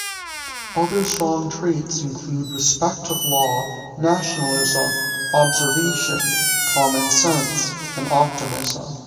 Other strong traits include respect of law, nationalism, observation, common sense, and optimism.